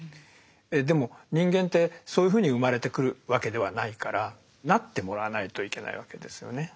でも人間ってそういうふうに生まれてくるわけではないからなってもらわないといけないわけですよね。